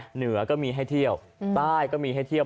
เหนือก็มีให้เที่ยวใต้ก็มีให้เที่ยว